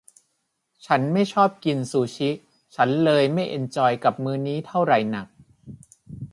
ฉันไม่ชอบกินซูชิ ฉันเลยไม่เอนจอยกับมื้อนี้เท่าไหร่หนัก